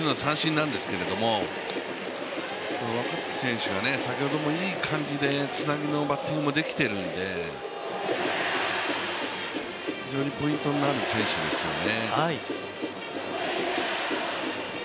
期待するのは三振なんですけど、若月選手が先ほどもいい感じでつなぎのバッティングもできてるんで、非常にポイントになる選手ですよね。